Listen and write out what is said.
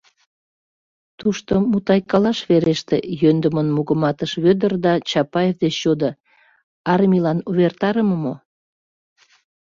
Тушто мутайкалаш вереште, — йӧндымын мугыматыш Вӧдыр да Чапаев деч йодо: — Армийлан увертарыме мо?